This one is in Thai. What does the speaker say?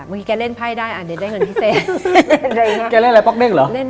แกเล่นไพ่ได้อ่ะเดี๋ยวได้เงินพิเศษแกเล่นอะไรป๊อกเด้งเหรอ